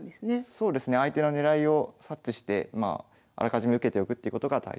そうですね相手の狙いを察知してあらかじめ受けておくってことが大切です。